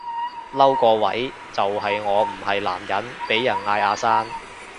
嬲個位就係我唔係男人被人嗌阿生